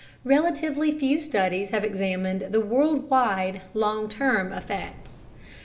Relatively few studies have examined the worldwide, long term effects.